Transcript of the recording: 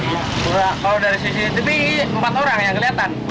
kalau dari sisi tepi empat orang yang kelihatan